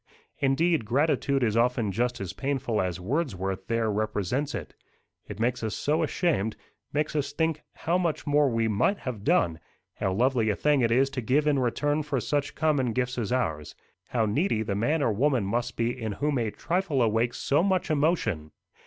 Indeed, gratitude is often just as painful as Wordsworth there represents it. It makes us so ashamed; makes us think how much more we might have done; how lovely a thing it is to give in return for such common gifts as ours; how needy the man or woman must be in whom a trifle awakes so much emotion."